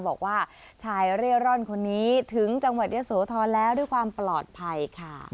บอกว่าชายเร่ร่อนคนนี้ถึงจังหวัดเยอะโสธรแล้วด้วยความปลอดภัยค่ะ